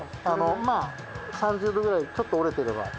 あのまあ３０度ぐらいちょっと折れてれば。